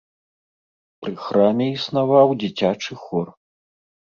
Пры храме існаваў дзіцячы хор.